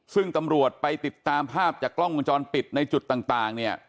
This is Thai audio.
ซึ่งตำรวจไปติดตามภาพจากกล้องวงจรปิดในจุดต่างเนี่ย